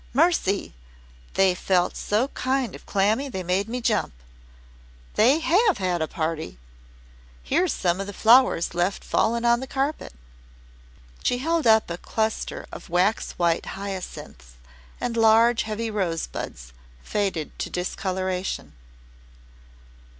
"Mercy! they felt so kind of clammy they made me jump. They HAVE had a party. Here's some of the flowers left fallen on the carpet." She held up a cluster of wax white hyacinths and large heavy rosebuds, faded to discoloration.